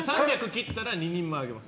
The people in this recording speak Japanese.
切ったら２人前あげます。